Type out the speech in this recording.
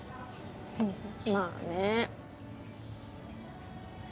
まあねえ。